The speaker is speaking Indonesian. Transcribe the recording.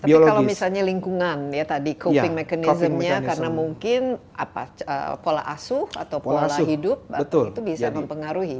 tapi kalau misalnya lingkungan ya tadi coping mechanismnya karena mungkin pola asuh atau pola hidup itu bisa mempengaruhi